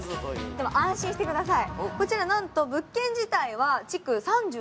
でも安心してください。